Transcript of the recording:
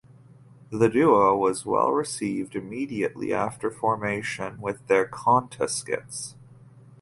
The duo was well received immediately after formation with their conte skits.